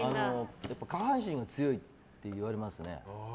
下半身が強いってよく言われますね。